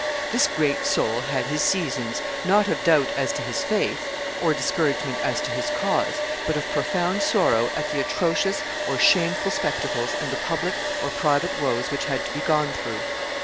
This great soul had his seasons, not of doubt as to his faith or discouragement as to his cause, but of profound sorrow at the atrocious or shameful spectacles and the public or private woes which had to be gone through.